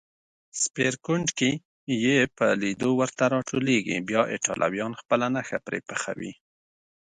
سپېرکونډکې یې په لېدو ورته راټولېږي، بیا ایټالویان خپله نښه پرې پخوي.